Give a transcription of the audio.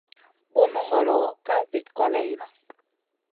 Bunu ŋolo ka vit kòleyna.